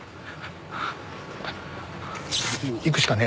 行くしかねえよ。